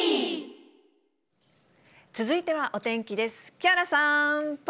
続いてはお天気です。